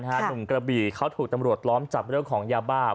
หนุ่มกระบี่เขาถูกตำรวจล้อมจับเรื่องของยาบ้า